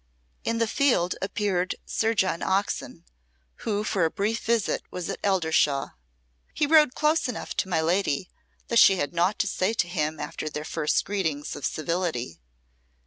In the field appeared Sir John Oxon, who for a brief visit was at Eldershawe. He rode close to my lady, though she had naught to say to him after her first greetings of civility.